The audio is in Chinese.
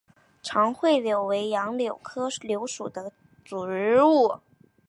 长穗柳为杨柳科柳属的植物。